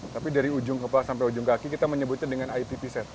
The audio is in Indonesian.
tapi dari ujung kepala sampai ujung kaki kita menyebutnya dengan itp set